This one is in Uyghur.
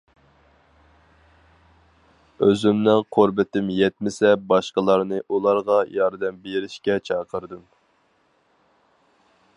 ئۆزۈمنىڭ قۇربىتىم يەتمىسە باشقىلارنى ئۇلارغا ياردەم بېرىشكە چاقىردىم.